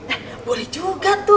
oh boleh juga tuh